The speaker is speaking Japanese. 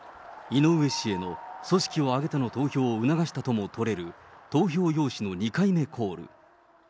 井上氏への組織を挙げての投票を促したとも取れる、投票用紙の２回目コール。